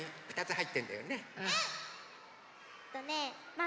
はい！